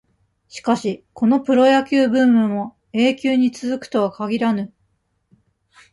しかし、このプロ野球ブームも、永久に続くとは限らぬ。